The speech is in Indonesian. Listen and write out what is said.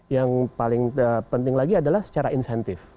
yang paling penting lagi adalah secara insentif